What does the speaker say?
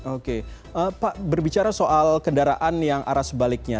oke pak berbicara soal kendaraan yang arah sebaliknya